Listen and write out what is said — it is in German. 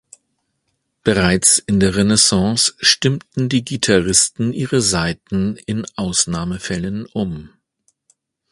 Bereits in der Renaissance stimmten die Gitarristen ihre Saiten in Ausnahmefällen um.